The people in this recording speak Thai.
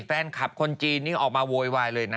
แฟนคลับคนจีนนี่ออกมาโวยวายเลยนะ